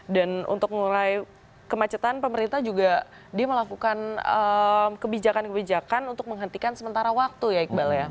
untuk mulai kemacetan pemerintah juga dia melakukan kebijakan kebijakan untuk menghentikan sementara waktu ya iqbal ya